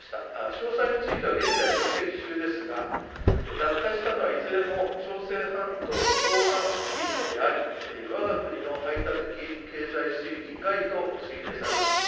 詳細については現在分析中ですが落下したのはいずれも朝鮮半島東岸付近であり、わが国の排他的経済水域外と推定されます。